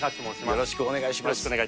よろしくお願いします。